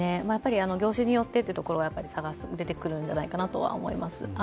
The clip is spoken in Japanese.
業種によってというところは、差が出てくるんじゃないかと思います。